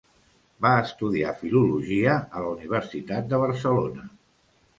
Va estudiar filologia a la Universitat de Barcelona.